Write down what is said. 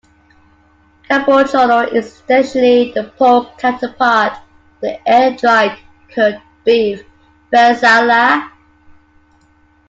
Capocollo is essentially the pork counterpart of the air-dried, cured beef "bresaola".